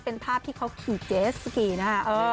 เป็นภาพที่เขาขี่เจสสกีนะฮะ